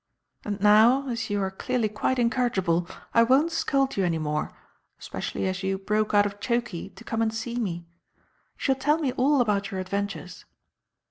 And now, as, you are clearly quite incorrigible, I won't scold you any more, especially as you 'broke out of chokee' to come and see me. You shall tell me all about your adventures."